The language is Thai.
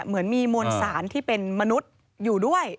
เหมือนมีมวลสารที่เป็นมนุษย์อยู่ด้วย